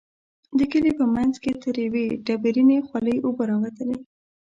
د کلي په منځ کې تر يوې ډبرينې خولۍ اوبه راوتلې.